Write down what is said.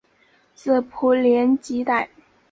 子卜怜吉歹。